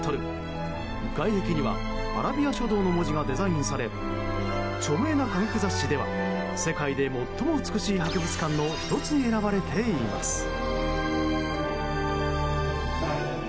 外壁にはアラビア書道の文字がデザインされ著名な科学雑誌では世界で最も美しい博物館の１つに選ばれています。